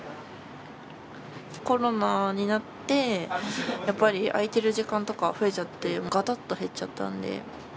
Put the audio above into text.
コロナになってやっぱり空いてる時間とか増えちゃってガタッと減っちゃったんで。